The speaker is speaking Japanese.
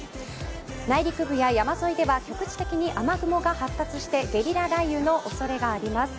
内陸部や山沿いでは局地的に雨雲が発達してゲリラ雷雨の恐れがあります。